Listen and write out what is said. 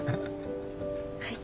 はい。